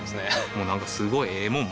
もうなんかすごいええもん